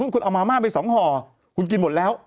คุณเอามาม่าไป๒ห่อคุณกินหมดแล้ว